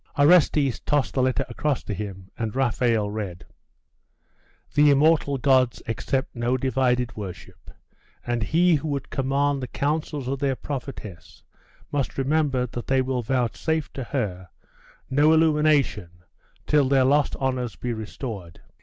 Orestes tossed the letter across to him, and Raphael read 'The immortal gods accept no divided worship; and he who would command the counsels of their prophetess must remember that they will vouchsafe to her no illumination till their lost honours be restored.